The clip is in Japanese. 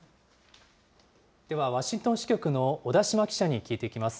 ではワシントン支局の小田島記者に聞いていきます。